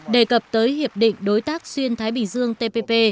đề cập tới hiệp định đối tác xuyên thái bình dương tpp